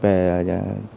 về những cái